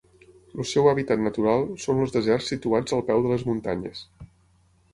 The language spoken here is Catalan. El seu hàbitat natural són els deserts situats al peu de les muntanyes.